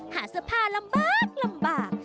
หาเสื้อผ้าลำบาก